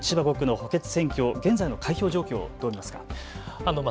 中村さん、千葉５区の補欠選挙、現在の開票状況をどう見ますか。